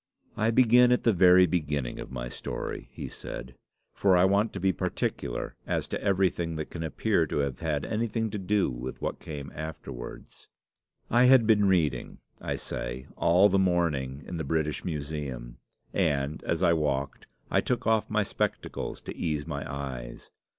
"I begin at the very beginning of my story," he said; "for I want to be particular as to everything that can appear to have had anything to do with what came afterwards. I had been reading, I say, all the morning in the British Museum; and, as I walked, I took off my spectacles to ease my eyes.